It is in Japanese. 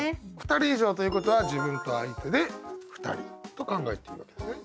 ２人以上ということは自分と相手で２人と考えていいわけですね。